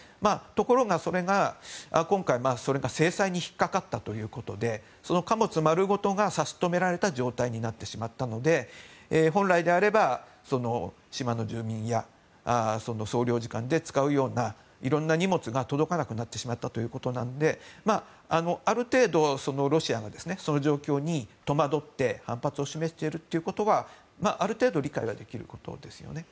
ところが、それが今回制裁に引っかかったということでその貨物丸ごとが差し止められた状態になってしまったので本来であれば、島の住民や総領事館で使うような色んな荷物が届かなくなってしまったということなのである程度、ロシアがその状況に戸惑って反発を示しているということはある程度理解はできることですよね。